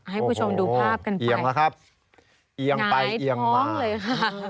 ให้ผู้ชมดูภาพกันไปเอียงแล้วครับเอียงไปเอียงมาหายท้องเลยค่ะ